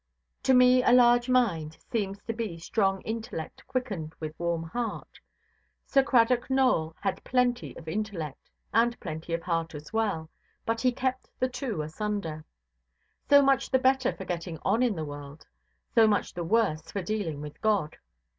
To me a large mind seems to be strong intellect quickened with warm heart. Sir Cradock Nowell had plenty of intellect, and plenty of heart as well, but he kept the two asunder. So much the better for getting on in the world; so much the worse for dealing with God.